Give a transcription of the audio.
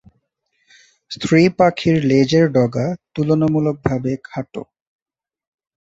স্ত্রী পাখির লেজের ডগা তুলনামূলকভাবে খাটো।